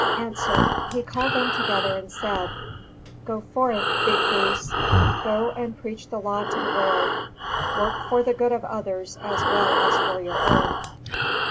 _ A. He called them together and said: "Go forth, Bhikkhus, go and preach the law to the world. Work for the good of others as well as for your own....